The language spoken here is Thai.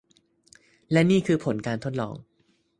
และนี่คือผลการทดลอง